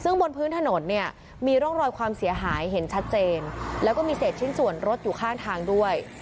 ซึ่งบนพื้นถนนเนี่ยมีร่องรอยความเสียหายเห็นชัดเจนแล้วก็มีเศษชิ้นส่วนรถอยู่ข้างทางด้วย